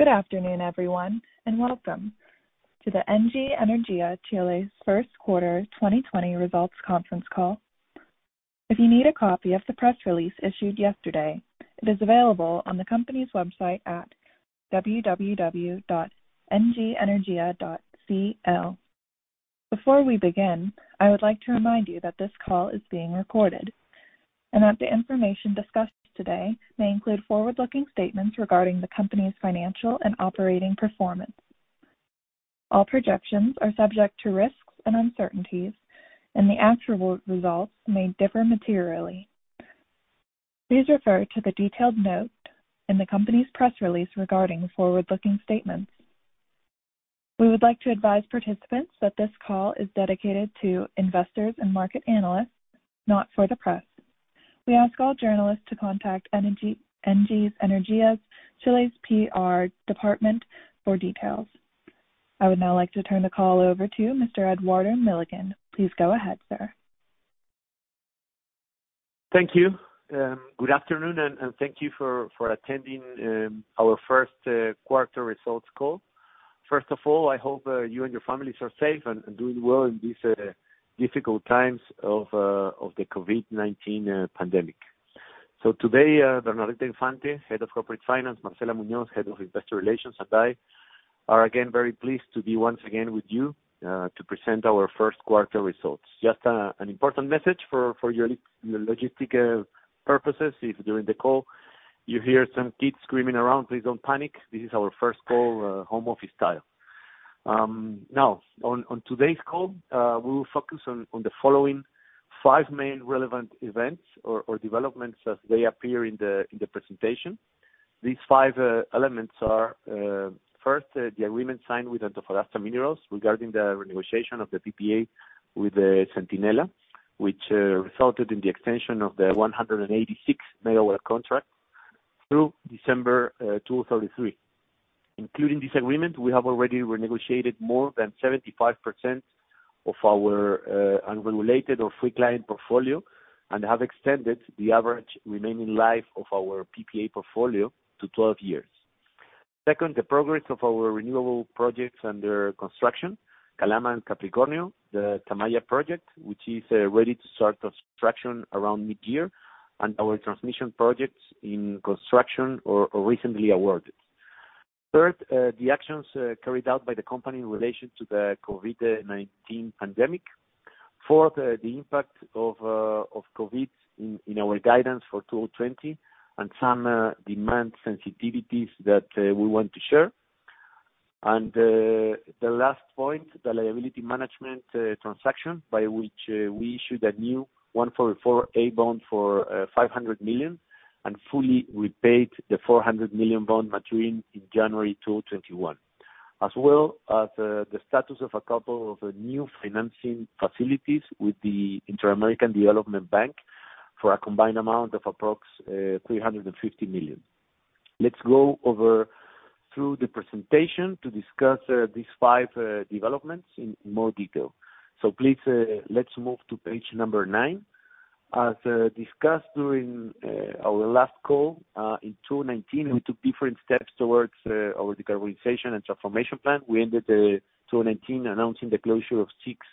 Good afternoon, everyone, and welcome to the Engie Energía Chile's first quarter 2020 results conference call. If you need a copy of the press release issued yesterday, it is available on the company's website at www.engieenergia.cl. Before we begin, I would like to remind you that this call is being recorded and that the information discussed today may include forward-looking statements regarding the company's financial and operating performance. All projections are subject to risks and uncertainties. The actual results may differ materially. Please refer to the detailed note in the company's press release regarding forward-looking statements. We would like to advise participants that this call is dedicated to investors and market analysts, not for the press. We ask all journalists to contact Engie Energía Chile's PR department for details. I would now like to turn the call over to Mr. Eduardo Milligan. Please go ahead, sir. Thank you. Good afternoon, and thank you for attending our first quarter results call. First of all, I hope you and your families are safe and doing well in these difficult times of the COVID-19 pandemic. Today, Bernardita Infante, Head of Corporate Finance, Marcela Muñoz, Head of Investor Relations, and I are again very pleased to be once again with you to present our first quarter results. Just an important message for your logistic purposes. If, during the call, you hear some kids screaming around, please don't panic. This is our first call, home office style. On today's call, we will focus on the following five main relevant events or developments as they appear in the presentation. These five elements are: First, the agreement signed with Antofagasta Minerals regarding the renegotiation of the PPA with Centinela, which resulted in the extension of the 186 MW contract through December 2033. Including this agreement, we have already renegotiated more than 75% of our unregulated or free client portfolio and have extended the average remaining life of our PPA portfolio to 12 years. Second, the progress of our renewable projects under construction, Calama and Capricornio, the Tamaya project, which is ready to start construction around mid-year, and our transmission projects in construction or recently awarded. Third, the actions carried out by the company in relation to the COVID-19 pandemic. Fourth, the impact of COVID in our guidance for 2020 and some demand sensitivities that we want to share. The last point, the liability management transaction by which we issued a new 144-A/Reg S bond for $500 million and fully repaid the $400 million bond maturing in January 2021. As well as the status of a couple of new financing facilities with the Inter-American Development Bank for a combined amount of approx $350 million. Let's go over through the presentation to discuss these five developments in more detail. Please, let's move to page number nine. As discussed during our last call, in 2019, we took different steps towards our decarbonization and transformation plan. We ended 2019 announcing the closure of six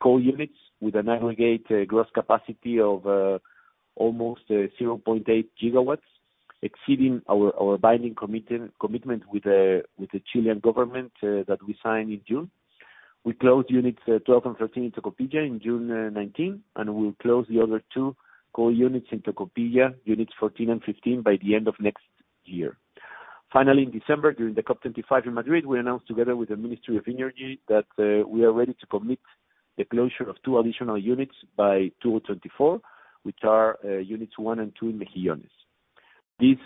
coal units with an aggregate gross capacity of almost 0.8 GW, exceeding our binding commitment with the Chilean government that we signed in June. We closed units 12 and 13 in Tocopilla in June 2019, and we will close the other two coal units in Tocopilla, units 14 and 15, by the end of next year. Finally, in December, during the COP25 in Madrid, we announced together with the Ministry of Energy that we are ready to commit the closure of two additional units by 2024, which are units 1 and 2 in Mejillones. These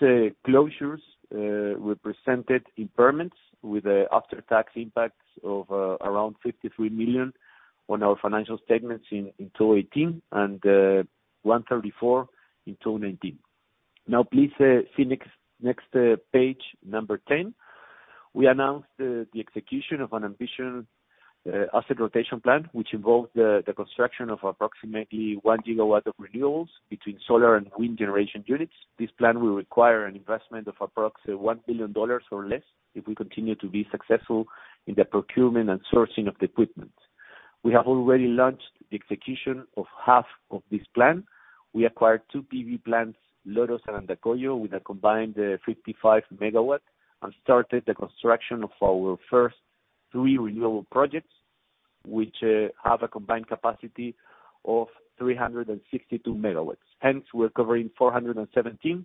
closures represented impairments with after-tax impacts of around $53 million on our financial statements in 2018 and $134 million in 2019. Now, please see next page 10. We announced the execution of an ambitious asset rotation plan, which involved the construction of approximately one gigawatt of renewables between solar and wind generation units. This plan will require an investment of approx $1 billion or less if we continue to be successful in the procurement and sourcing of the equipment. We have already launched the execution of half of this plan. We acquired two PV plants, Los Loros and Andacollo, with a combined 55 MW, and started the construction of our first three renewable projects, which have a combined capacity of 362 MW. Hence, we're covering 417 MW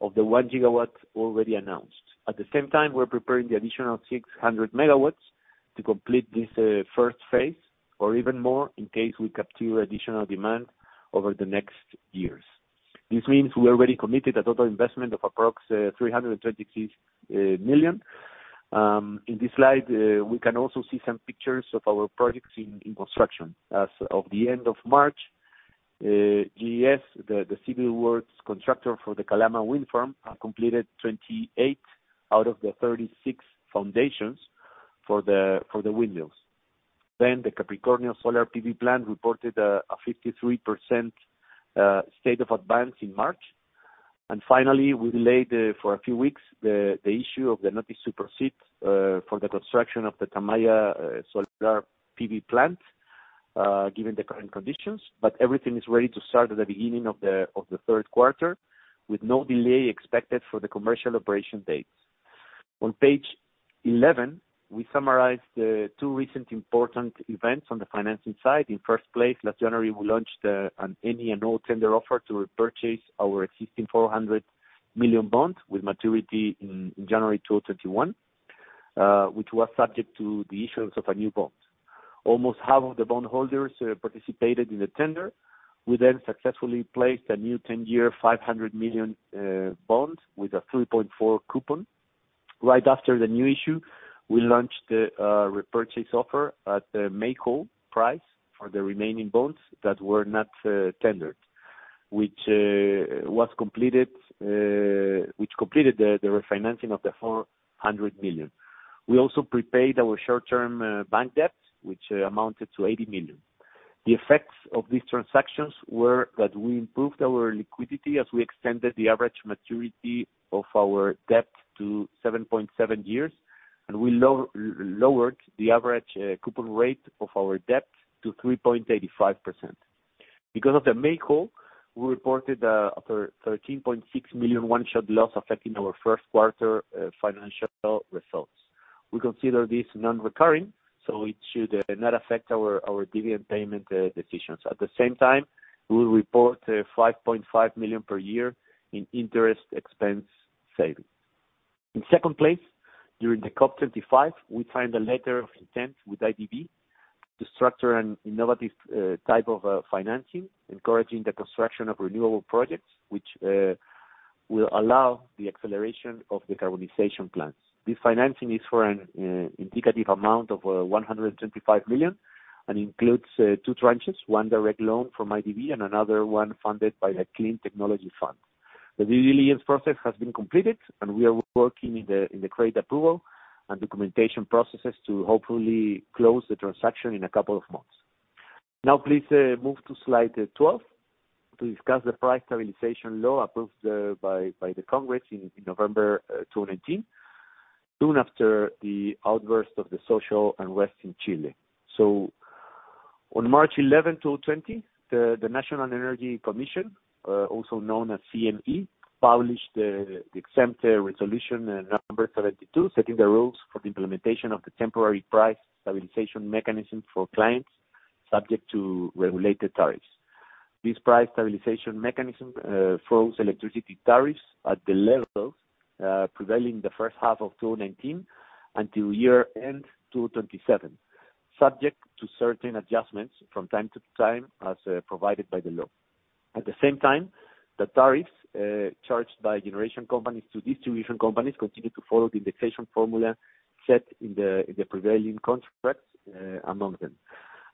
of the 1 GW already announced. At the same time, we're preparing the additional 600 MW to complete this first phase, or even more in case we capture additional demand over the next years. This means we already committed a total investment of approx $326 million. In this slide, we can also see some pictures of our projects in construction. As of the end of March, GES, the civil works constructor for the Calama Wind Farm, have completed 28 out of the 36 foundations for the windmills. The Capricornio Solar PV plant reported a 53% state of advance in March. Finally, we delayed for a few weeks the issue of the notice to proceed for the construction of the Tamaya Solar PV plant, given the current conditions. Everything is ready to start at the beginning of the third quarter, with no delay expected for the commercial operation dates. On page 11, we summarized two recent important events on the financing side. In first place, last January, we launched an any and all tender offer to repurchase our existing $400 million bonds with maturity in January 2021, which was subject to the issuance of a new bond. Almost half of the bondholders participated in the tender. We successfully placed a new 10-year, $500 million bond with a 3.4 coupon. Right after the new issue, we launched the repurchase offer at the make-whole price for the remaining bonds that were not tendered, which completed the refinancing of the $400 million. We also prepaid our short-term bank debt, which amounted to $80 million. The effects of these transactions were that we improved our liquidity as we extended the average maturity of our debt to 7.7 years, and we lowered the average coupon rate of our debt to 3.85%. Because of the make-whole, we reported a $13.6 million one-shot loss affecting our first quarter financial results. We consider this non-recurring, so it should not affect our dividend payment decisions. At the same time, we will report $5.5 million per year in interest expense saving. In second place, during the COP25, we signed a letter of intent with IDB to structure an innovative type of financing, encouraging the construction of renewable projects, which will allow the acceleration of decarbonization plans. This financing is for an indicative amount of $125 million and includes two tranches, one direct loan from IDB and another one funded by the Clean Technology Fund. The due diligence process has been completed, and we are working in the credit approval and documentation processes to hopefully close the transaction in a couple of months. Now, please move to slide 12 to discuss the Price Stabilization Law approved by the Congress in November 2019, soon after the outburst of the social unrest in Chile. On March 11, 2020, the National Energy Commission, also known as CNE, published the exempt resolution number 72, setting the rules for the implementation of the temporary price stabilization mechanism for clients subject to regulated tariffs. This price stabilization mechanism froze electricity tariffs at the levels prevailing the first half of 2019 until year-end 2027, subject to certain adjustments from time to time as provided by the law. At the same time, the tariffs charged by generation companies to distribution companies continued to follow the indexation formula set in the prevailing contracts among them.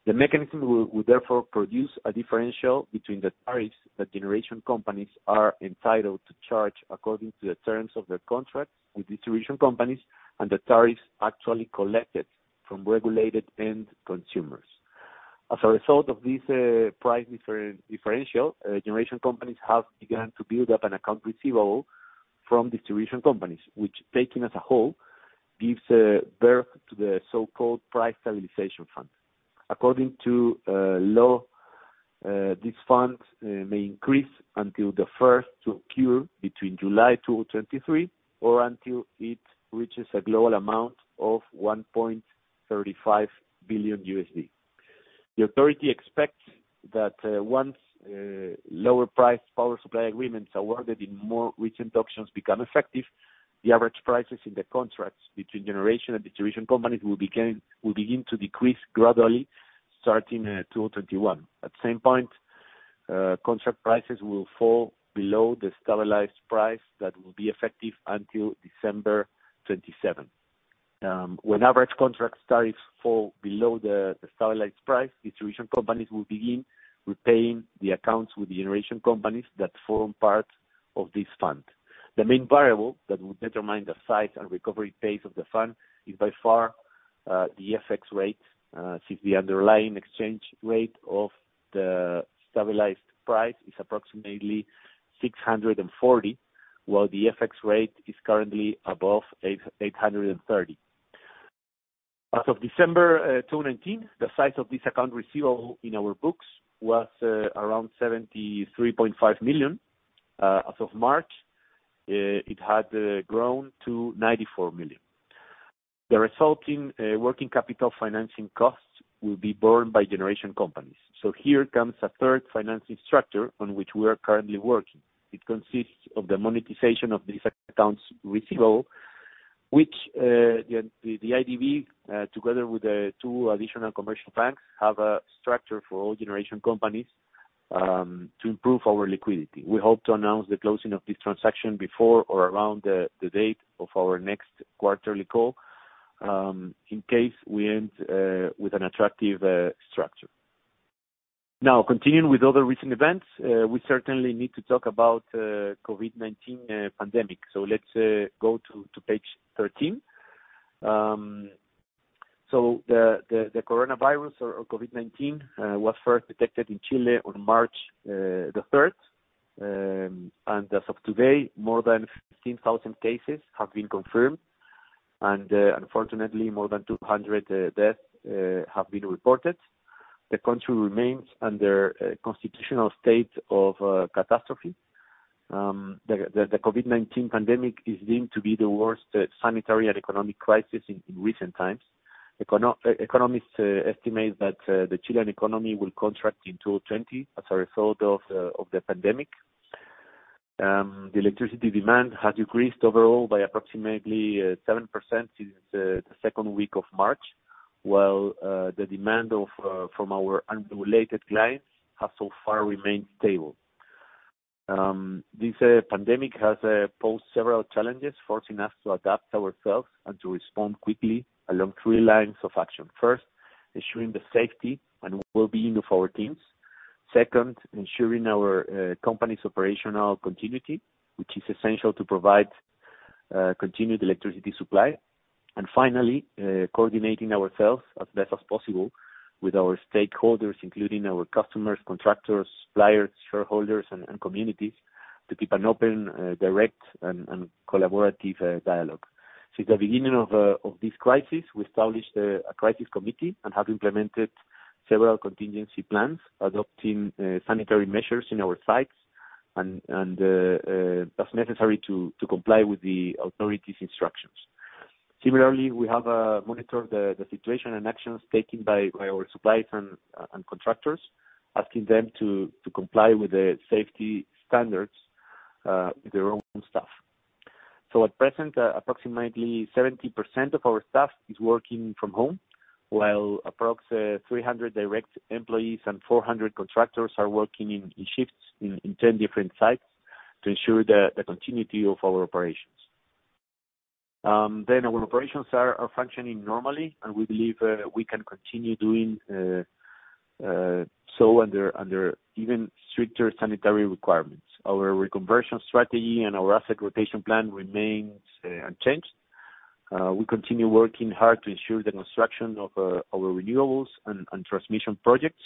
The mechanism will therefore produce a differential between the tariffs that generation companies are entitled to charge according to the terms of their contract with distribution companies, and the tariffs actually collected from regulated end consumers. As a result of this price differential, generation companies have begun to build up an account receivable from distribution companies, which, taken as a whole, gives birth to the so-called Price Stabilization Fund. According to law, this fund may increase until the first to occur between July 2023 or until it reaches a global amount of $1.35 billion. The authority expects that once lower-priced power supply agreements awarded in more recent auctions become effective, the average prices in the contracts between generation and distribution companies will begin to decrease gradually starting 2021. At the same point, contract prices will fall below the stabilized price that will be effective until December 27. When average contract tariffs fall below the stabilized price, distribution companies will begin repaying the accounts with generation companies that form part of this fund. The main variable that will determine the size and recovery pace of the fund is by far the FX rate, since the underlying exchange rate of the stabilized price is approximately 640, while the FX rate is currently above 830. As of December 2019, the size of this account receivable in our books was around $73.5 million. As of March, it had grown to $94 million. The resulting working capital financing costs will be borne by generation companies. Here comes a third financing structure on which we are currently working. It consists of the monetization of these accounts receivable, which the IDB, together with the two additional commercial banks, have a structure for all generation companies to improve our liquidity. We hope to announce the closing of this transaction before or around the date of our next quarterly call, in case we end with an attractive structure. Continuing with other recent events, we certainly need to talk about COVID-19 pandemic. Let's go to page 13. The coronavirus or COVID-19, was first detected in Chile on March the 3rd. As of today, more than 15,000 cases have been confirmed, and unfortunately, more than 200 deaths have been reported. The country remains under a constitutional state of catastrophe. The COVID-19 pandemic is deemed to be the worst sanitary and economic crisis in recent times. Economists estimate that the Chilean economy will contract in 2020 as a result of the pandemic. The electricity demand has decreased overall by approximately 7% since the second week of March, while the demand from our unregulated clients has so far remained stable. This pandemic has posed several challenges, forcing us to adapt ourselves and to respond quickly along three lines of action. First, ensuring the safety and wellbeing of our teams. Second, ensuring our company's operational continuity, which is essential to provide continued electricity supply. Finally, coordinating ourselves as best as possible with our stakeholders, including our customers, contractors, suppliers, shareholders, and communities, to keep an open, direct, and collaborative dialogue. Since the beginning of this crisis, we established a crisis committee and have implemented several contingency plans, adopting sanitary measures in our sites and as necessary to comply with the authorities' instructions. Similarly, we have monitored the situation and actions taken by our suppliers and contractors, asking them to comply with the safety standards, with their own staff. At present, approximately 70% of our staff is working from home, while approx 300 direct employees and 400 contractors are working in shifts in 10 different sites to ensure the continuity of our operations. Our operations are functioning normally, and we believe we can continue doing so under even stricter sanitary requirements. Our reconversion strategy and our asset rotation plan remains unchanged. We continue working hard to ensure the construction of our renewables and transmission projects,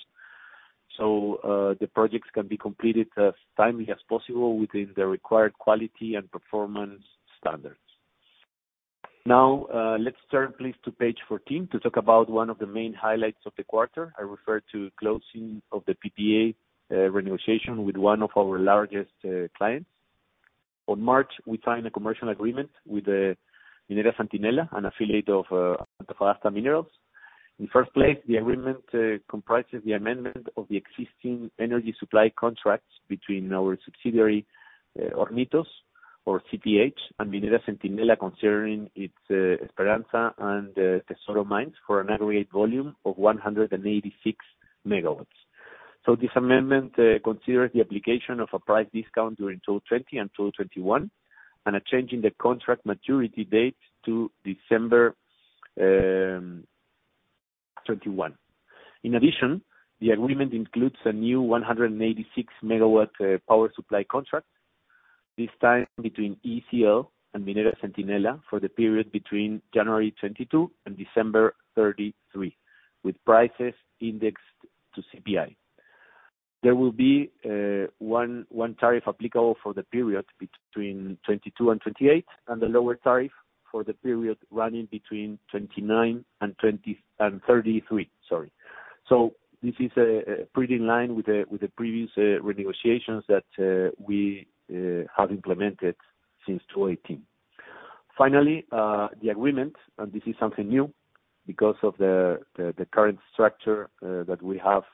so the projects can be completed as timely as possible within the required quality and performance standards. Let's turn please to page 14 to talk about one of the main highlights of the quarter. I refer to closing of the PPA renegotiation with one of our largest clients. On March, we signed a commercial agreement with Minera Centinela, an affiliate of Antofagasta Minerals. In first place, the agreement comprises the amendment of the existing energy supply contracts between our subsidiary, Hornitos or CTH, and Minera Centinela, considering its Esperanza and El Tesoro mines for an aggregate volume of 186 MW. This amendment considers the application of a price discount during 2020 and 2021 and a change in the contract maturity date to December 2021. In addition, the agreement includes a new 186-MW power supply contract, this time between ECL and Minera Centinela for the period between January 2022 and December 2033, with prices indexed to CPI. There will be one tariff applicable for the period between 2022 and 2028, and the lower tariff for the period running between 2029 and 2033, sorry. This is pretty in line with the previous renegotiations that we have implemented since 2018. The agreement, and this is something new because of the current structure that we have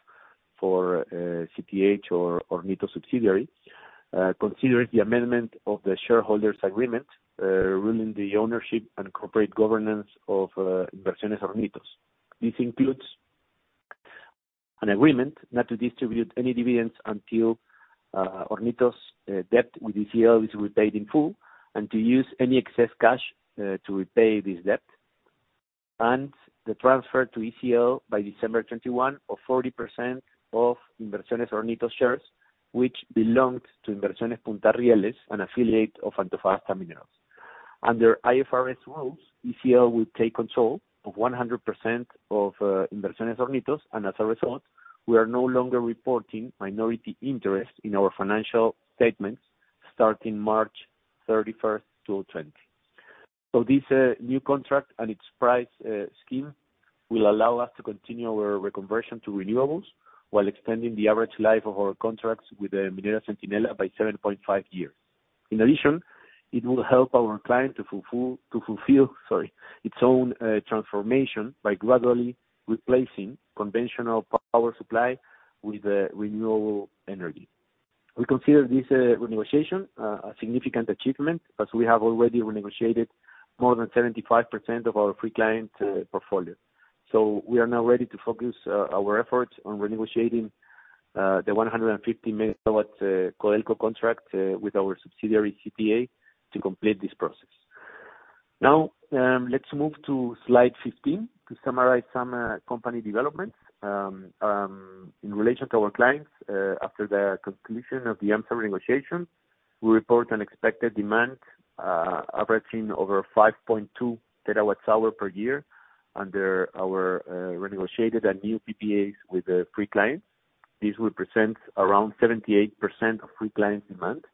for CTH or Hornitos subsidiary, considering the amendment of the shareholders' agreement, ruling the ownership and corporate governance of Inversiones Hornitos. This includes an agreement not to distribute any dividends until Hornitos' debt with ECL is repaid in full and to use any excess cash to repay this debt, and the transfer to ECL by December 2021 of 40% of Inversiones Hornitos shares, which belongs to Inversiones Punta de Rieles, an affiliate of Antofagasta Minerals. Under IFRS rules, ECL will take control of 100% of Inversiones Hornitos, and as a result, we are no longer reporting minority interest in our financial statements starting March 31st, 2020. This new contract and its price scheme will allow us to continue our reconversion to renewables while extending the average life of our contracts with Minera Centinela by 7.5 years. In addition, it will help our client to fulfill its own transformation by gradually replacing conventional power supply with renewable energy. We consider this renegotiation a significant achievement as we have already renegotiated more than 75% of our free client portfolio. We are now ready to focus our efforts on renegotiating the 150 MW Codelco contract with our subsidiary, CTA, to complete this process. Let's move to slide 15 to summarize some company developments. In relation to our clients, after the completion of the AMSA negotiation, we report an expected demand averaging over 5.2 TWh per year under our renegotiated and new PPAs with free clients. This represents around 78% of free client demand.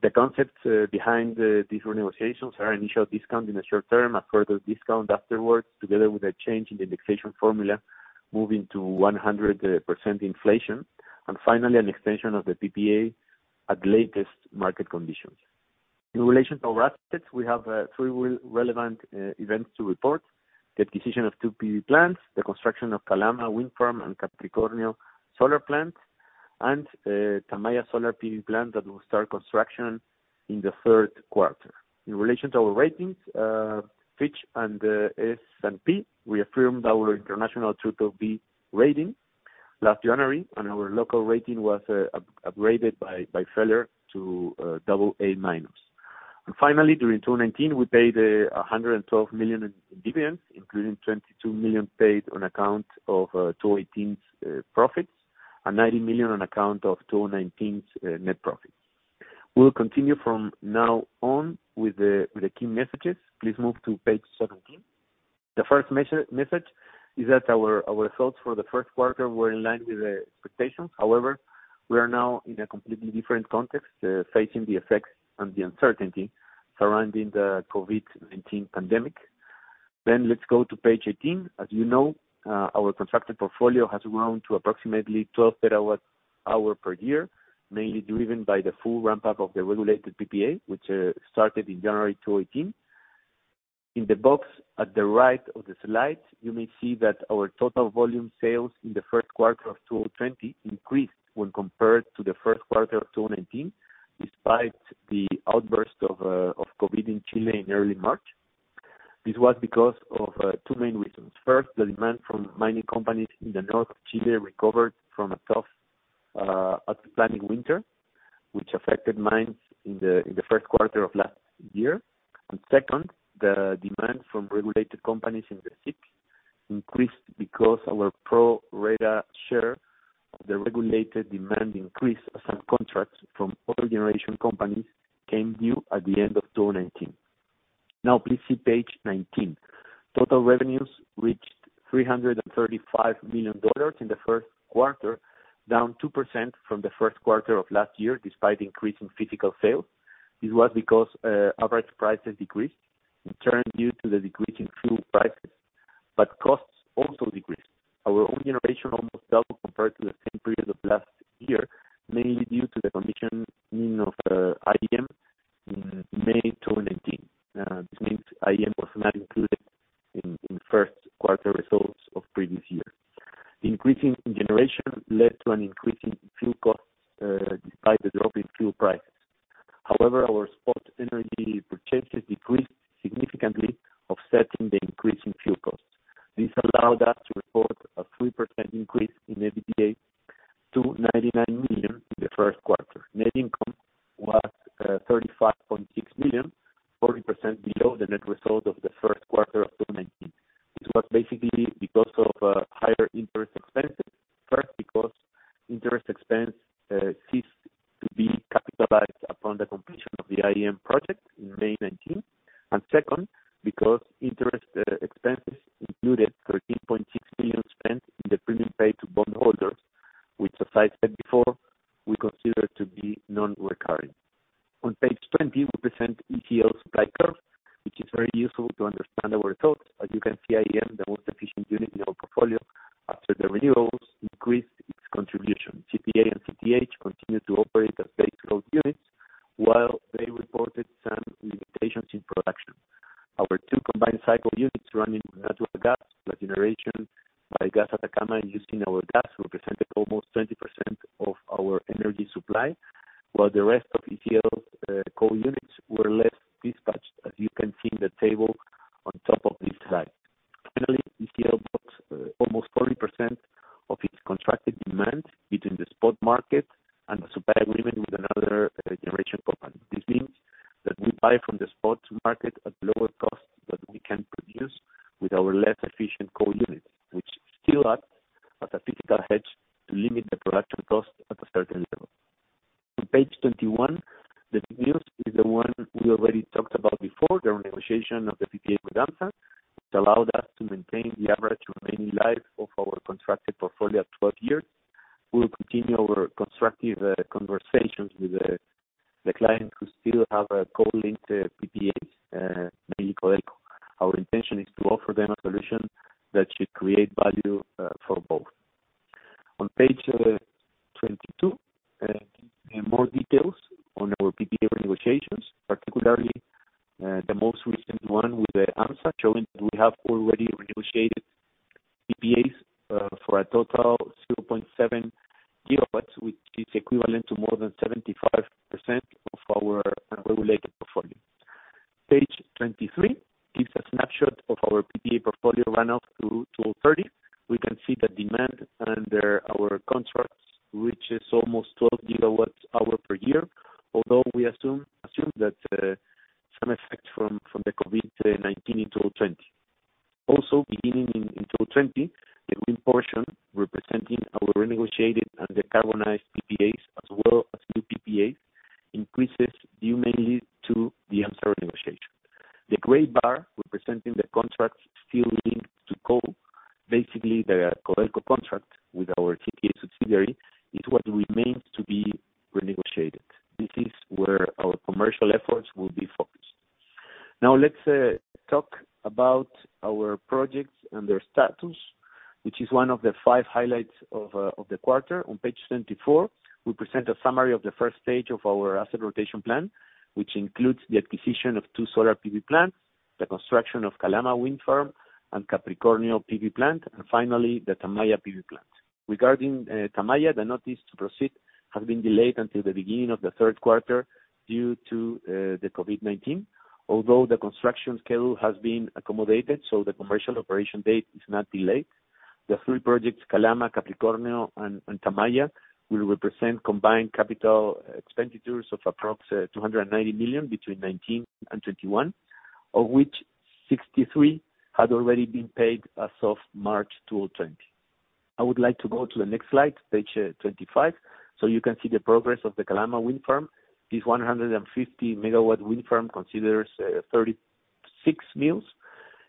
The concepts behind these negotiations are initial discount in the short-term, a further discount afterward, together with a change in the indexation formula, moving to 100% inflation, and finally an extension of the PPA at latest market conditions. In relation to our assets, we have three relevant events to report: the acquisition of two PV plants, the construction of Calama wind farm and Capricornio solar plant, and Tamaya solar PV plant that will start construction in the third quarter. In relation to our ratings, Fitch and S&P reaffirmed our international BBB rating last January, and our local rating was upgraded by Feller to AA-. Finally, during 2019, we paid $112 million in dividends, including $22 million paid on account of 2018's profits and $90 million on account of 2019's net profits. We'll continue from now on with the key messages. Please move to page 17. The first message is that our results for the first quarter were in line with the expectations. However, we are now in a completely different context, facing the effects and the uncertainty surrounding the COVID-19 pandemic. Let's go to page 18. As you know, our contracted portfolio has grown to approximately 12 TWh per year, mainly driven by the full ramp-up of the regulated PPA, which started in January 2018. In the box at the right of the slide, you may see that our total volume sales in the first quarter of 2020 increased when compared to the first quarter of 2019, despite the outburst of COVID in Chile in early March. This was because of two main reasons. First, the demand from mining companies in the north of Chile recovered from a tough, untimely winter, which affected mines in the first quarter of last year. Second, the demand from regulated companies in the SIC increased because our pro-rata share of the regulated demand increase as some contracts from other generation companies came due at the end of 2019. COVID-19. The construction schedule has been accommodated, so the commercial operation date is not delayed. The three projects, Calama, Capricornio, and Tamaya, will represent combined capital expenditures of approx $290 million between 2019 and 2021, of which $63 million had already been paid as of March 2020. I would like to go to the next slide, page 25, so you can see the progress of the Calama wind farm. This 150-megawatt wind farm considers 36 mills,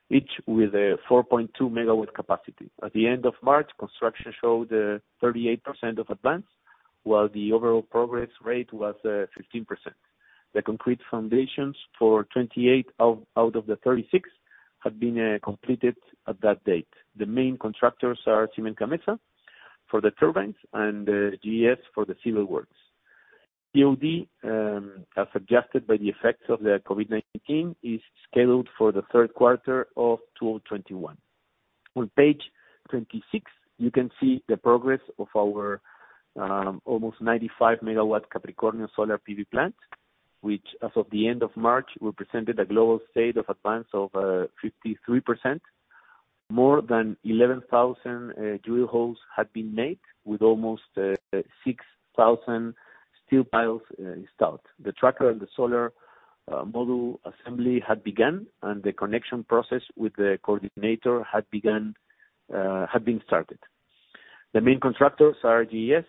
each with a 4.2-MW capacity. At the end of March, construction showed a 38% of advance, while the overall progress rate was 15%. The complete foundations for 28 out of the 36 had been completed at that date. The main contractors are Siemens Gamesa for the turbines and GES for the civil works. COD, as adjusted by the effects of the COVID-19, is scheduled for the third quarter of 2021. On page 26, you can see the progress of our almost 95-MW Capricornio solar PV plant, which as of the end of March, represented a global state of advance of 53%. More than 11,000 drill holes had been made, with almost 6,000 steel piles installed. The tracker and the solar module assembly had begun, and the connection process with the coordinator had been started. The main contractors are GES,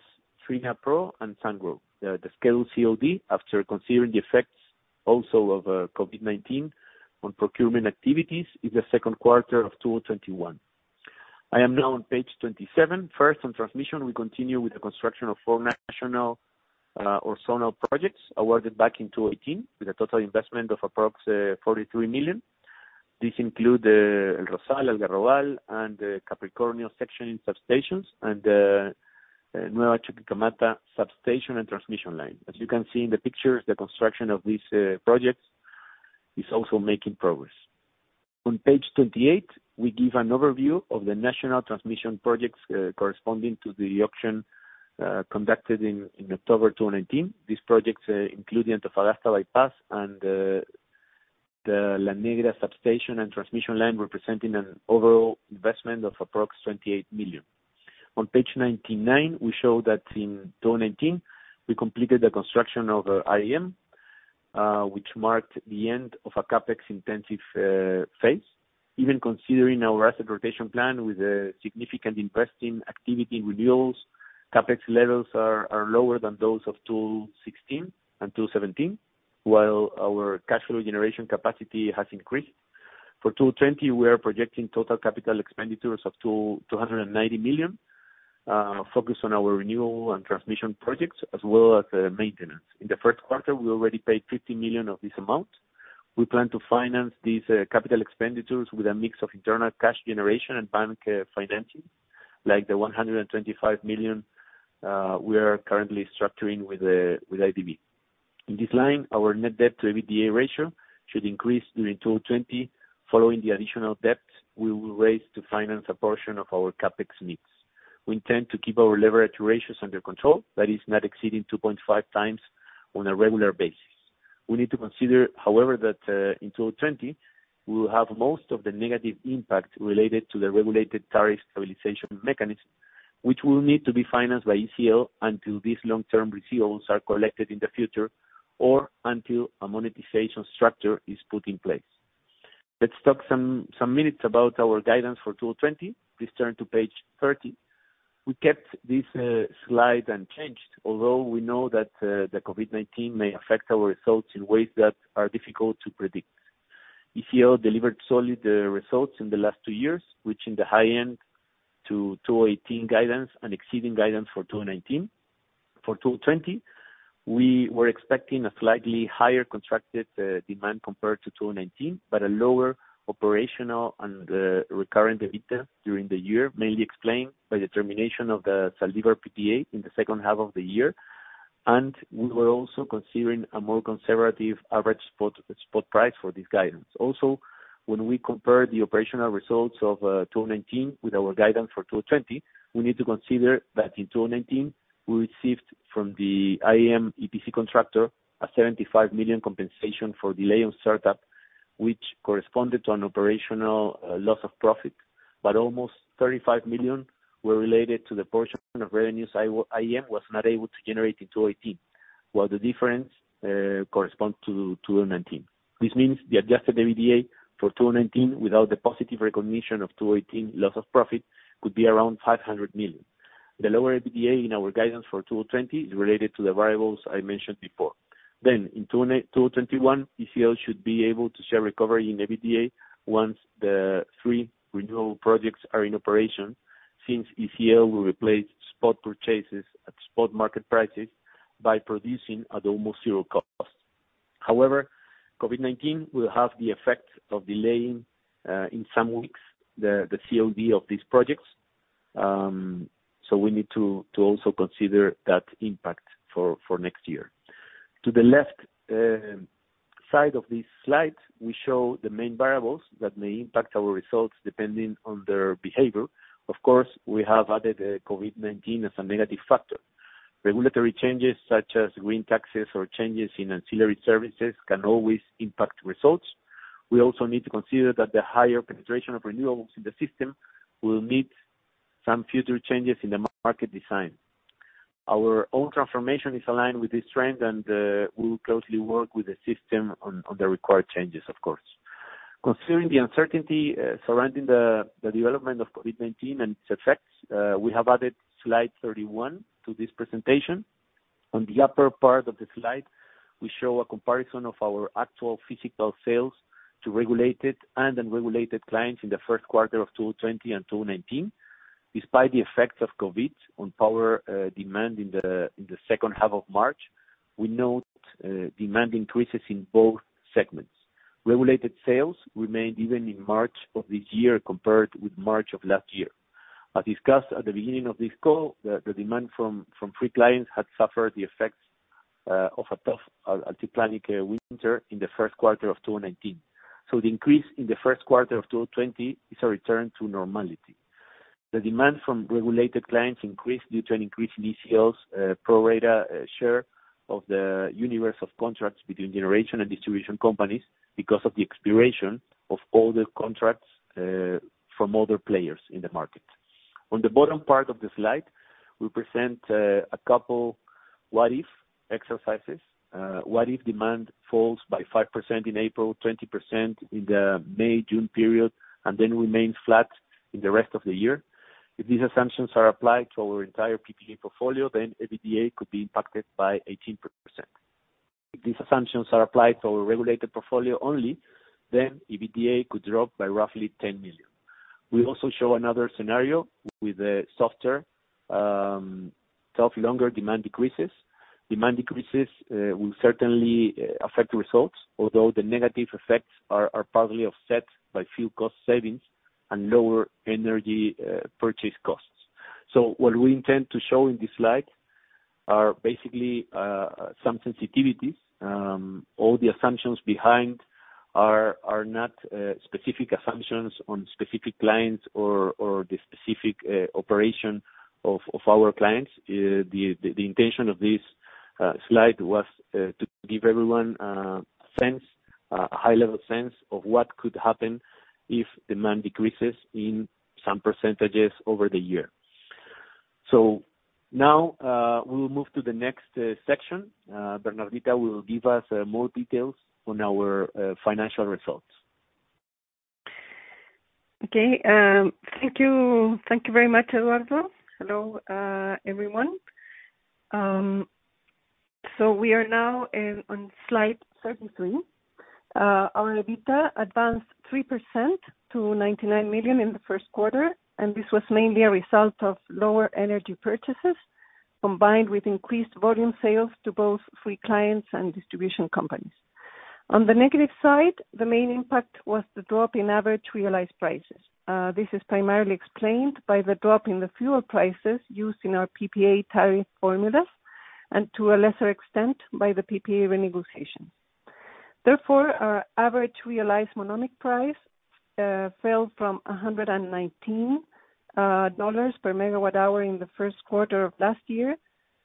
TrinaPro, and Sungrow. The scheduled COD, after considering the effects also of COVID-19 on procurement activities, is the second quarter of 2021. I am now on page 27. First, on transmission, we continue with the construction of four national or zonal projects awarded back in 2018, with a total investment of approx $43 million. These include El Rosal, Algarrobal, and Capricornio sectioning substations, and Nueva Chuquicamata substation and transmission line. As you can see in the pictures, the construction of these projects is also making progress. On page 28, we give an overview of the national transmission projects corresponding to the auction conducted in October 2019. These projects include the Antofagasta bypass and the La Negra substation and transmission line, representing an overall investment of approximately $28 million. On page 99, we show that in 2019, we completed the construction of IEM, which marked the end of a CapEx-intensive phase. Even considering our asset rotation plan with a significant increase in activity renewables, CapEx levels are lower than those of 2016 and 2017, while our cash flow generation capacity has increased. For 2020, we are projecting total capital expenditures of $290 million, focused on our renewables and transmission projects, as well as maintenance. In the first quarter, we already paid $50 million of this amount. We plan to finance these capital expenditures with a mix of internal cash generation and bank financing, like the $125 million we are currently structuring with IDB. In this line, our net debt-to-EBITDA ratio should increase during 2020, following the additional debt we will raise to finance a portion of our CapEx needs. We intend to keep our leverage ratios under control, that is not exceeding 2.5x on a regular basis. We need to consider, however, that in 2020, we will have most of the negative impact related to the regulated tariff stabilization mechanism, which will need to be financed by ECL until these long-term receivables are collected in the future, or until a monetization structure is put in place. Let's talk some minutes about our guidance for 2020. Please turn to page 30. We kept this slide unchanged, although we know that the COVID-19 may affect our results in ways that are difficult to predict. ECL delivered solid results in the last two years, reaching the high end to 2018 guidance and exceeding guidance for 2019. For 2020, we were expecting a slightly higher contracted demand compared to 2019, but a lower operational and recurrent EBITDA during the year, mainly explained by the termination of the Minera Zaldívar PPA in the second half of the year. We were also considering a more conservative average spot price for this guidance. When we compare the operational results of 2019 with our guidance for 2020, we need to consider that in 2019, we received from the IEM EPC contractor a $75 million compensation for delay on startup, which corresponded to an operational loss of profit, but almost $35 million were related to the portion of revenues IEM was not able to generate in 2018, while the difference corresponds to 2019. This means the adjusted EBITDA for 2019, without the positive recognition of 2018 loss of profit, could be around $500 million. The lower EBITDA in our guidance for 2020 is related to the variables I mentioned before. In 2021, ECL should be able to show recovery in EBITDA once the three renewal projects are in operation, since ECL will replace spot purchases at spot market prices by producing at almost zero cost. However, COVID-19 will have the effect of delaying, in some weeks, the COD of these projects. We need to also consider that impact for next year. To the left side of this slide, we show the main variables that may impact our results depending on their behavior. Of course, we have added COVID-19 as a negative factor. Regulatory changes such as green taxes or changes in ancillary services can always impact results. We also need to consider that the higher penetration of renewables in the system will need some future changes in the market design. Our own transformation is aligned with this trend, and we will closely work with the system on the required changes, of course. Considering the uncertainty surrounding the development of COVID-19 and its effects, we have added slide 31 to this presentation. On the upper part of the slide, we show a comparison of our actual physical sales to regulated and unregulated clients in the first quarter of 2020 and 2019. Despite the effects of COVID on power demand in the second half of March, we note demand increases in both segments. Regulated sales remained even in March of this year compared with March of last year. As discussed at the beginning of this call, the demand from free clients had suffered the effects of a tough altiplanic winter in the first quarter of 2019. The increase in the first quarter of 2020 is a return to normality. The demand from regulated clients increased due to an increase in ECL's pro-rata share of the universe of contracts between generation and distribution companies because of the expiration of older contracts from other players in the market. On the bottom part of the slide, we present a couple what if exercises. What if demand falls by 5% in April, 20% in the May-June period, and then remains flat in the rest of the year? If these assumptions are applied to our entire PPA portfolio, then EBITDA could be impacted by 18%. If these assumptions are applied to our regulated portfolio only, then EBITDA could drop by roughly $10 million. We also show another scenario with softer, longer demand decreases. Demand decreases will certainly affect results, although the negative effects are partly offset by fuel cost savings and lower energy purchase costs. What we intend to show in this slide are basically some sensitivities. All the assumptions behind are not specific assumptions on specific clients or the specific operation of our clients. The intention of this slide was to give everyone a high-level sense of what could happen if demand decreases in some percentages over the year. Now, we will move to the next section. Bernardita will give us more details on our financial results. Okay. Thank you. Thank you very much, Eduardo. Hello, everyone. We are now on slide 33. Our EBITDA advanced 3% to $99 million in the first quarter, this was mainly a result of lower energy purchases, combined with increased volume sales to both free clients and distribution companies. On the negative side, the main impact was the drop in average realized prices. This is primarily explained by the drop in the fuel prices used in our PPA tariff formulas, to a lesser extent, by the PPA renegotiation. Our average realized monomic price fell from $119 per MWh in the first quarter of last year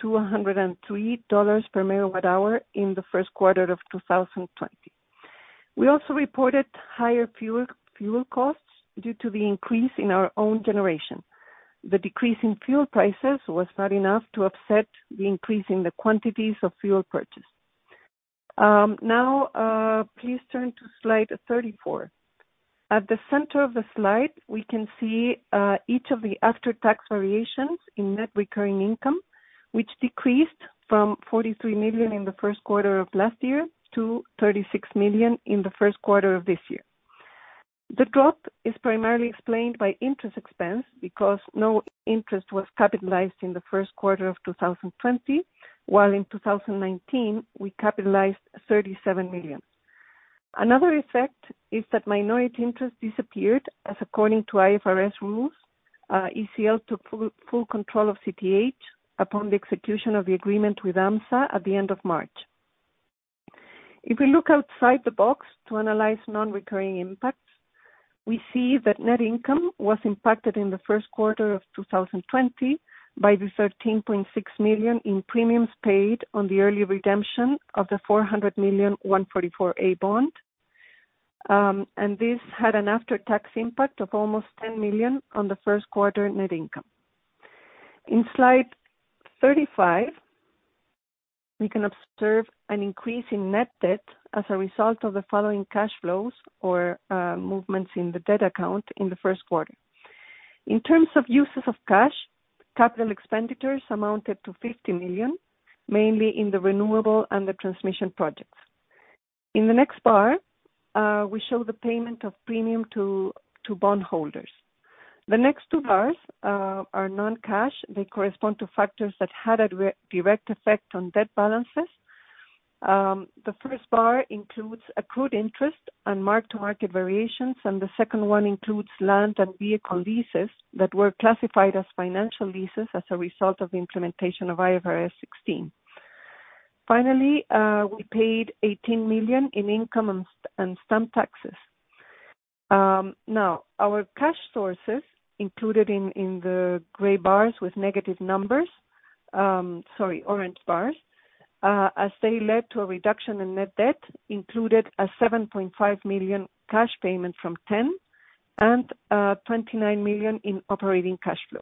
to $103 per MWh in the first quarter of 2020. We also reported higher fuel costs due to the increase in our own generation. The decrease in fuel prices was not enough to offset the increase in the quantities of fuel purchased. Please turn to slide 34. At the center of the slide, we can see each of the after-tax variations in net recurring income, which decreased from $43 million in the first quarter of last year to $36 million in the first quarter of this year. The drop is primarily explained by interest expense because no interest was capitalized in the first quarter of 2020, while in 2019, we capitalized $37 million. Another effect is that minority interest disappeared, as according to IFRS rules, ECL took full control of CTH upon the execution of the agreement with AMSA at the end of March. If we look outside the box to analyze non-recurring impacts. We see that net income was impacted in the first quarter of 2020 by the $13.6 million in premiums paid on the early redemption of the $400 million 144-A/Reg S bond. This had an after-tax impact of almost $10 million on the first quarter net income. In slide 35, we can observe an increase in net debt as a result of the following cash flows or movements in the debt account in the first quarter. In terms of uses of cash, capital expenditures amounted to $50 million, mainly in the renewable and the transmission projects. In the next bar, we show the payment of premium to bondholders. The next two bars are non-cash. They correspond to factors that had a direct effect on debt balances. The first bar includes accrued interest and mark-to-market variations. The second one includes land and vehicle leases that were classified as financial leases as a result of the implementation of IFRS 16. Finally, we paid $18 million in income and stamp taxes. Our cash sources, included in the orange bars, as they led to a reduction in net debt, included a $7.5 million cash payment from TEN and $29 million in operating cash flow.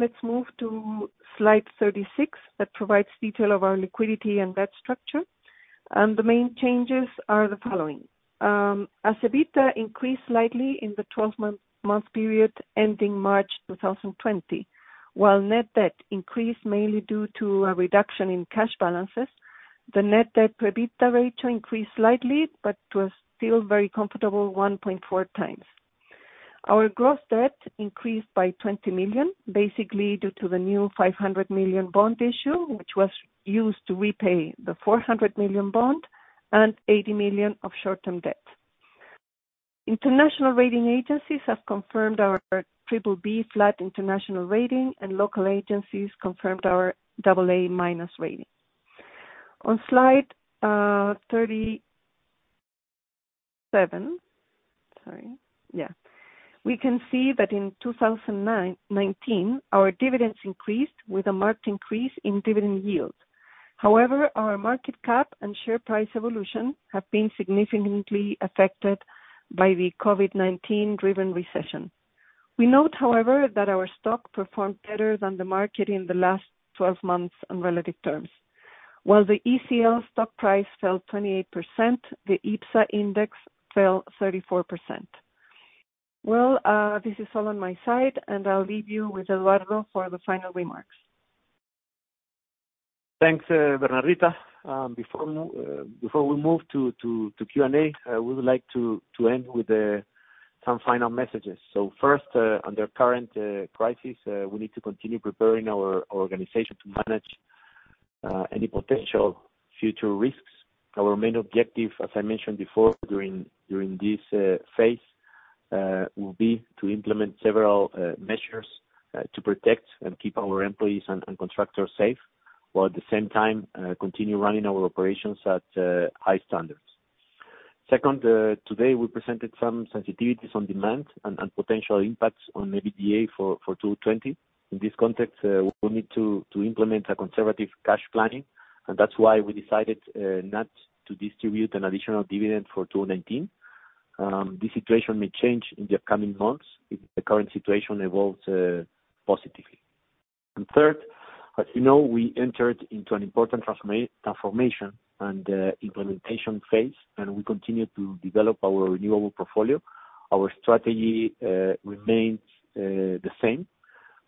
Let's move to slide 36, that provides detail of our liquidity and debt structure. The main changes are the following. Our EBITDA increased slightly in the 12-month period ending March 2020. While net debt increased mainly due to a reduction in cash balances, the net debt to EBITDA ratio increased slightly, but was still very comfortable 1.4x. Our gross debt increased by $20 million, basically due to the new $500 million bond issue, which was used to repay the $400 million bond and $80 million of short-term debt. International rating agencies have confirmed our BBB flat international rating, and local agencies confirmed our AA- rating. On slide 37, we can see that in 2019, our dividends increased with a marked increase in dividend yield. However, our market cap and share price evolution have been significantly affected by the COVID-19-driven recession. We note, however, that our stock performed better than the market in the last 12 months on relative terms. While the ECL stock price fell 28%, the IPSA index fell 34%. This is all on my side, and I'll leave you with Eduardo for the final remarks. Thanks, Bernardita. Before we move to Q&A, I would like to end with some final messages. First, under current crisis, we need to continue preparing our organization to manage any potential future risks. Our main objective, as I mentioned before during this phase, will be to implement several measures to protect and keep our employees and contractors safe, while at the same time, continue running our operations at high standards. Second, today we presented some sensitivities on demand and potential impacts on the EBITDA for 2020. In this context, we will need to implement a conservative cash planning, and that's why we decided not to distribute an additional dividend for 2019. This situation may change in the upcoming months if the current situation evolves positively. Third, as you know, we entered into an important transformation and implementation phase, and we continue to develop our renewable portfolio. Our strategy remains the same.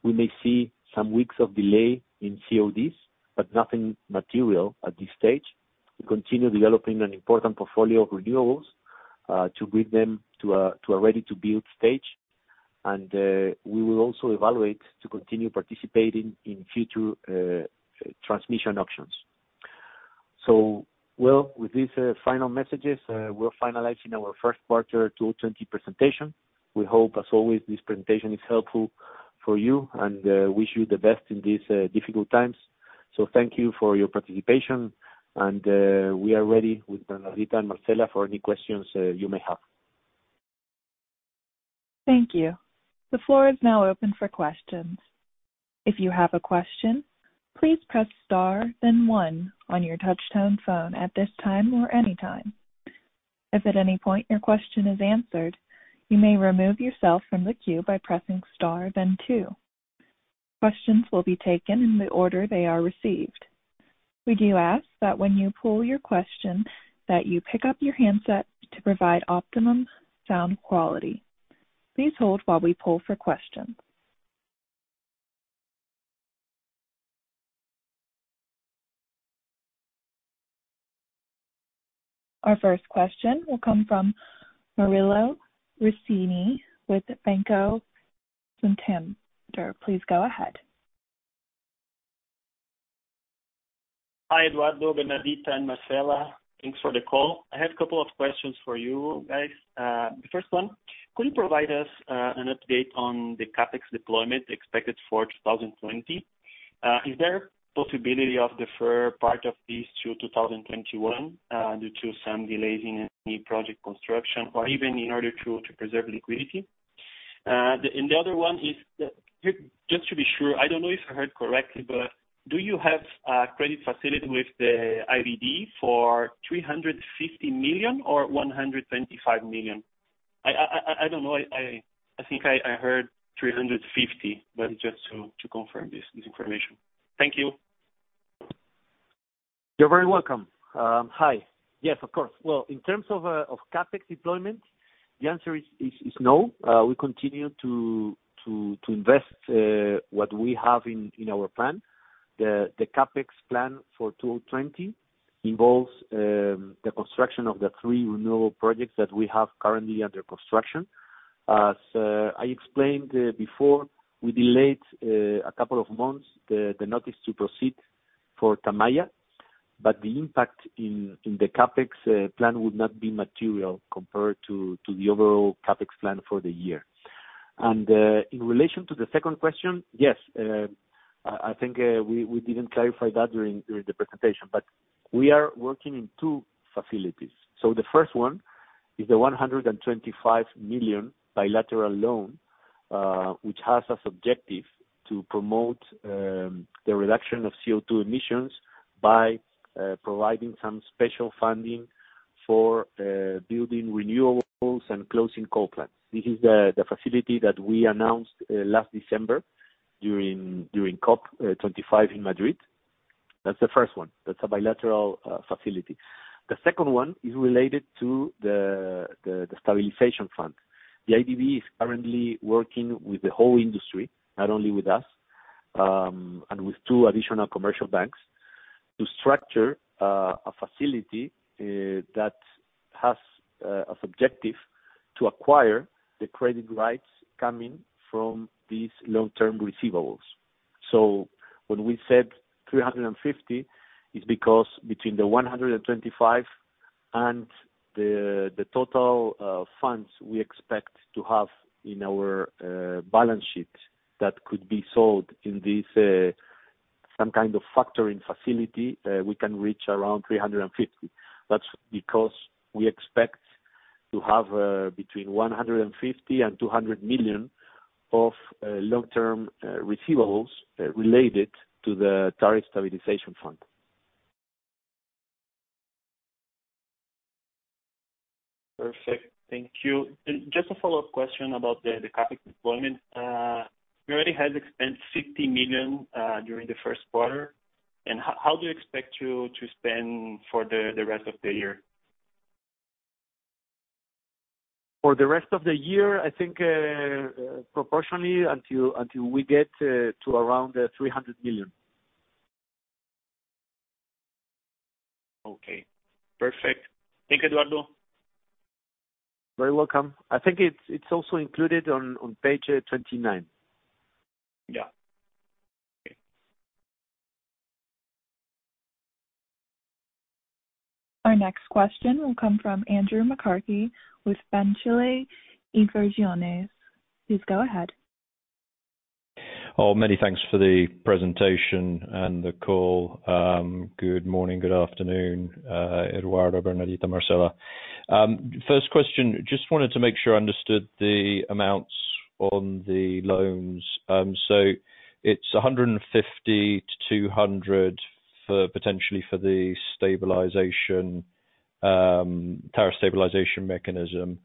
We may see some weeks of delay in CODs, but nothing material at this stage. We will also evaluate to continue participating in future transmission auctions. Well, with these final messages, we're finalizing our first quarter 2020 presentation. We hope, as always, this presentation is helpful for you, and wish you the best in these difficult times. Thank you for your participation, and we are ready with Bernardita and Marcela for any questions you may have. Thank you. The floor is now open for questions. If you have a question, please press star then one on your touch tone phone at this time or anytime. If at any point your question is answered, you may remove yourself from the queue by pressing star then two. Questions will be taken in the order they are received. We do ask that when you pull your question, that you pick up your handset to provide optimum sound quality. Please hold while we pull for questions. Our first question will come from Murilo Riccini with Banco Santander. Please go ahead. Hi, Eduardo, Bernardita, and Marcela. Thanks for the call. I have a couple of questions for you guys. The first one, could you provide us an update on the CapEx deployment expected for 2020? Is there a possibility of defer part of these to 2021 due to some delays in any project construction or even in order to preserve liquidity? The other one is, just to be sure, I don't know if I heard correctly, but do you have a credit facility with the IDB for $350 million or $125 million? I think I heard $350, but just to confirm this information. Thank you. You're very welcome. Hi. Yes, of course. Well, in terms of CapEx deployment, the answer is no. We continue to invest what we have in our plan. The CapEx plan for 2020 involves the construction of the three renewable projects that we have currently under construction. As I explained before, we delayed a couple of months, the notice to proceed for Tamaya. The impact in the CapEx plan would not be material compared to the overall CapEx plan for the year. In relation to the second question, yes, I think we didn't clarify that during the presentation. We are working in two facilities. The first one is the $125 million bilateral loan, which has as objective to promote the reduction of CO2 emissions by providing some special funding for building renewables and closing coal plants. This is the facility that we announced last December during COP25 in Madrid. That's the first one. That's a bilateral facility. The second one is related to the Stabilization Fund. The IDB is currently working with the whole industry, not only with us, and with two additional commercial banks, to structure a facility that has as objective to acquire the credit rights coming from these long-term receivables. When we said $350 million, it's because between the $125 million and the total funds we expect to have in our balance sheet that could be sold in this, some kind of factoring facility, we can reach around $350. That's because we expect to have between $150 million and $200 million of long-term receivables related to the tariff Stabilization Fund. Perfect. Thank you. Just a follow-up question about the CapEx deployment. You already had expensed $60 million during the first quarter. How do you expect to spend for the rest of the year? For the rest of the year, I think proportionally until we get to around $300 million. Okay. Perfect. Thank you, Eduardo. Very welcome. I think it's also included on page 29. Yeah. Okay. Our next question will come from Andrew McCarthy with Banchile Inversiones. Please go ahead. Many thanks for the presentation and the call. Good morning, good afternoon, Eduardo, Bernardita, Marcela. First question, just wanted to make sure I understood the amounts on the loans. It's $150 million-$200 million potentially for the tariff stabilization mechanism,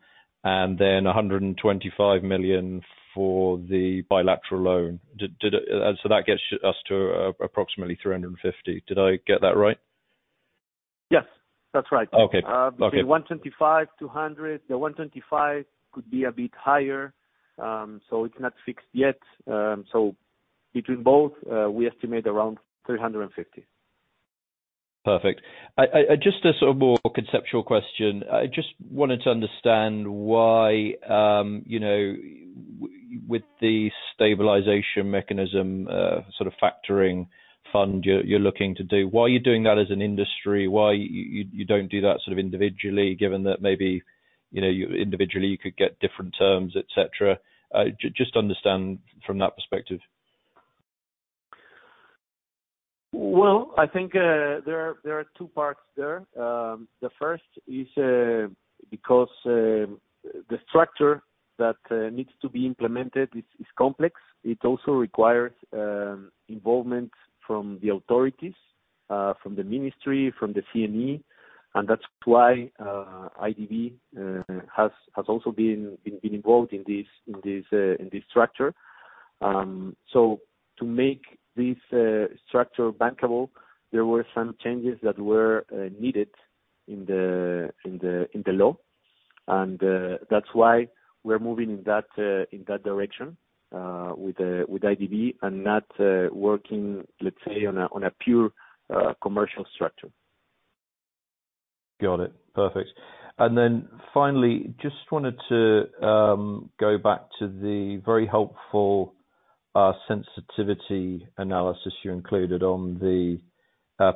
and then $125 million for the bilateral loan. That gets us to approximately $350 million. Did I get that right? Yes, that's right. Okay. Got it. Between $125 million, $200 million. The $125 million could be a bit higher, it's not fixed yet. Between both, we estimate around $350 million. Perfect. Just a more conceptual question. I just wanted to understand why with the stabilization mechanism factoring fund you're looking to do, why are you doing that as an industry? Why you don't do that individually, given that maybe individually you could get different terms, et cetera? Just understand from that perspective. Well, I think there are two parts there. The first is because the structure that needs to be implemented is complex. It also requires involvement from the authorities, from the ministry, from the CNE, and that's why IDB has also been involved in this structure. To make this structure bankable, there were some changes that were needed in the law, and that's why we're moving in that direction, with IDB and not working, let's say, on a pure commercial structure. Got it. Perfect. Finally, just wanted to go back to the very helpful sensitivity analysis you included on the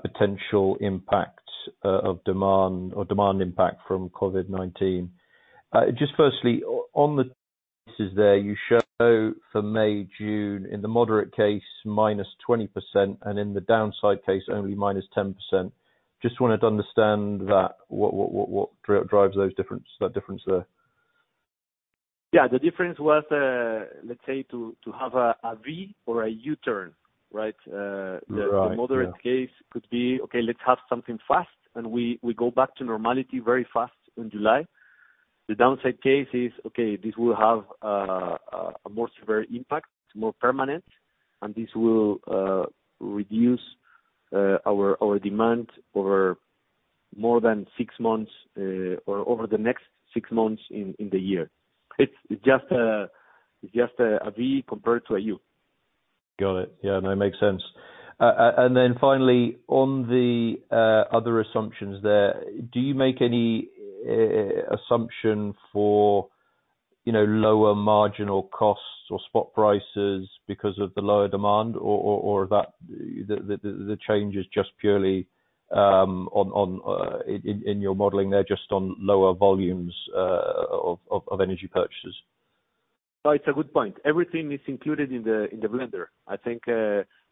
potential impact of demand or demand impact from COVID-19. You show for May, June in the moderate case -20%, and in the downside case only -10%. Just wanted to understand that, what drives that difference there? Yeah, the difference was, let's say, to have a V or a U-turn, right? Right. Yeah. The moderate case could be, okay, let's have something fast, and we go back to normality very fast in July. The downside case is, okay, this will have a more severe impact, more permanent, and this will reduce our demand over more than six months or over the next six months in the year. It's just a V compared to a U. Got it. Yeah, no, it makes sense. Then finally, on the other assumptions there, do you make any assumption for lower marginal costs or spot prices because of the lower demand? The change is just purely, in your modeling there, just on lower volumes of energy purchases? It's a good point. Everything is included in the blender. I think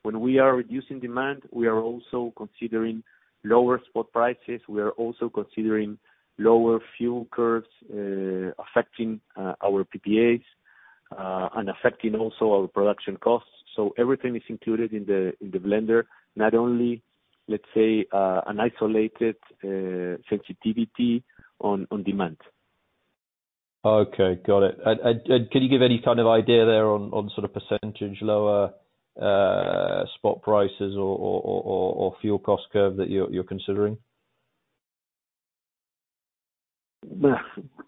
when we are reducing demand, we are also considering lower spot prices. We are also considering lower fuel curves affecting our PPAs and affecting also our production costs. Everything is included in the blender, not only, let's say, an isolated sensitivity on demand. Okay. Got it. Can you give any kind of idea there on sort of percentage lower spot prices or fuel cost curve that you're considering?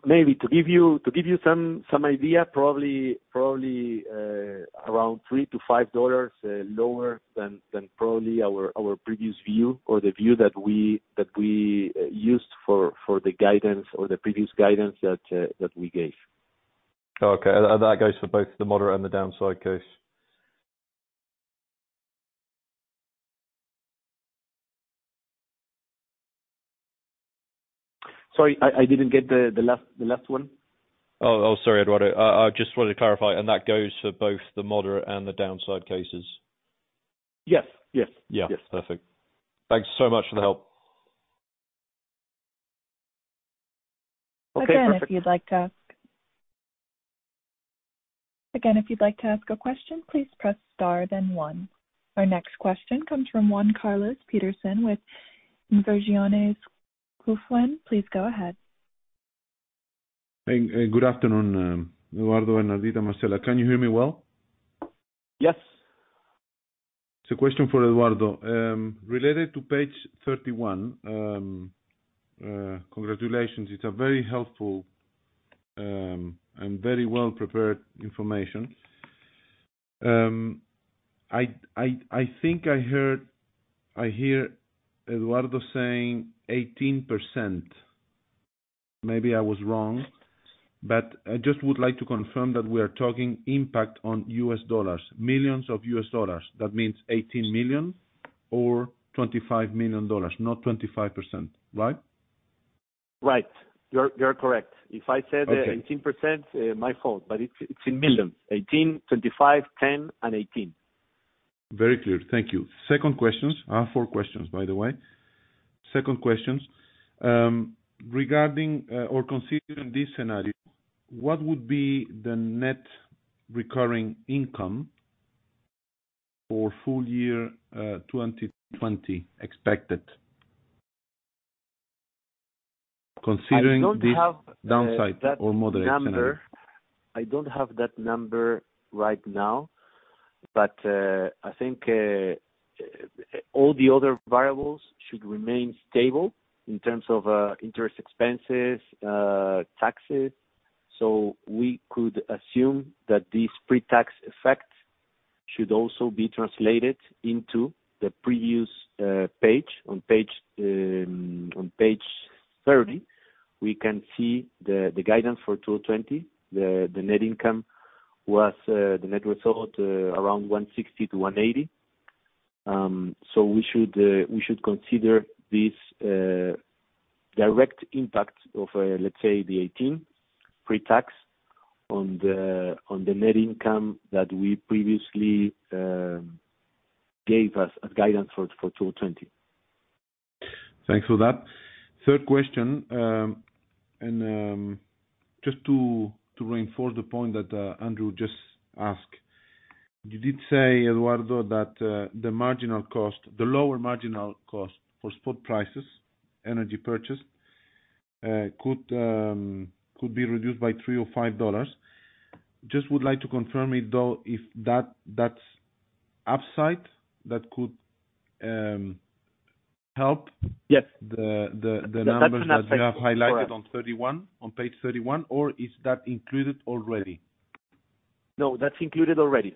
Maybe to give you some idea, probably around $3-$5 lower than probably our previous view or the view that we used for the guidance or the previous guidance that we gave. Okay. That goes for both the moderate and the downside case? Sorry, I didn't get the last one. Oh, sorry, Eduardo. I just wanted to clarify, that goes for both the moderate and the downside cases? Yes. Yeah. Perfect. Thanks so much for the help. Okay, perfect. Again, if you'd like to ask a question, please press star then one. Our next question comes from (Juan Carlos Peterson with Investimentos Quefin). Please go ahead. Good afternoon, Eduardo and Bernardita, Marcela. Can you hear me well? Yes. It's a question for Eduardo. Related to page 31. Congratulations, it's a very helpful and very well-prepared information. I think I hear Eduardo saying 18%. Maybe I was wrong, but I just would like to confirm that we are talking impact on US dollars, millions of US dollars. That means $18 million or $25 million, not 25%, right? Right. You're correct. Okay 18%, my fault, but it's in millions. $18 million, $25 million, $10 million, and $18 million. Very clear. Thank you. Second question. I have four questions, by the way. Second question, regarding or considering this scenario, what would be the net recurring income for full year 2020 expected considering this downside or moderate scenario? I don't have that number right now, but I think all the other variables should remain stable in terms of interest expenses, taxes. We could assume that this pre-tax effect should also be translated into the previous page. On page 30, we can see the guidance for 2020. The net income was the net result around $160-$180 million. We should consider this direct impact of, let's say, the $18 million pre-tax on the net income that we previously gave as guidance for 2020. Thanks for that. Third question, and just to reinforce the point that Andrew just asked. You did say, Eduardo, that the lower marginal cost for spot prices, energy purchase, could be reduced by three or five dollars. Just would like to confirm it, though, if that's upside that could help? Yes the numbers- That's an upside. that you have highlighted on page 31, or is that included already? No, that's included already.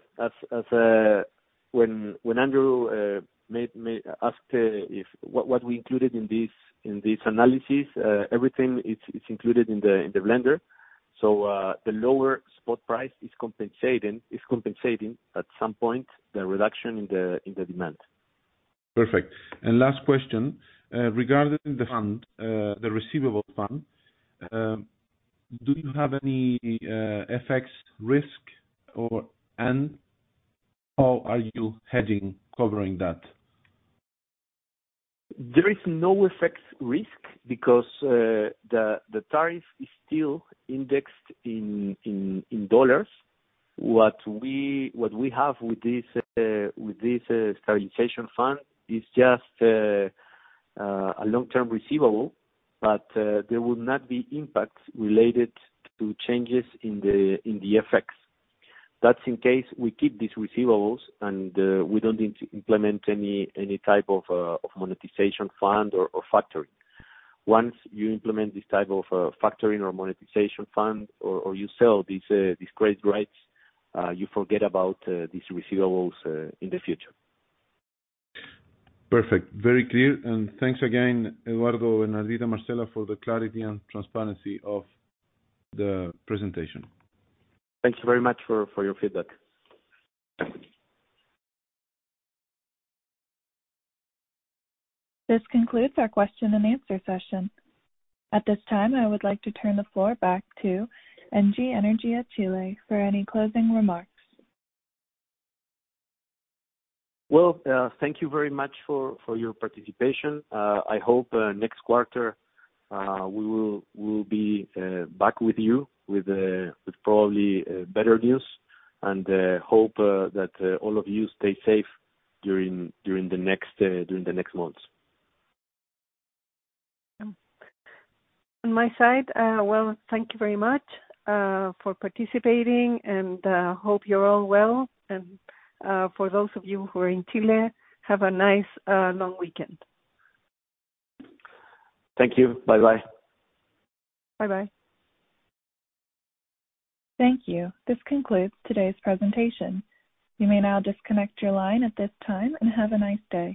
When Andrew asked what we included in this analysis, everything is included in the blender. The lower spot price is compensating at some point the reduction in the demand. Perfect. Last question, regarding the fund, the receivables fund, do you have any FX risk, and how are you covering that? There is no FX risk because the tariff is still indexed in dollars. What we have with this stabilization fund is just a long-term receivable, but there will not be impacts related to changes in the FX. That's in case we keep these receivables and we don't need to implement any type of monetization fund or factoring. Once you implement this type of factoring or monetization fund, or you sell these credit rights, you forget about these receivables in the future. Perfect. Very clear. Thanks again, Eduardo and Bernardita Infante, for the clarity and transparency of the presentation. Thank you very much for your feedback. This concludes our question and answer session. At this time, I would like to turn the floor back to Engie Energía Chile for any closing remarks. Well, thank you very much for your participation. I hope, next quarter, we will be back with you with probably better news, and hope that all of you stay safe during the next months. On my side, well, thank you very much for participating, and hope you're all well. For those of you who are in Chile, have a nice long weekend. Thank you. Bye-bye. Bye-bye. Thank you. This concludes today's presentation. You may now disconnect your line at this time, and have a nice day.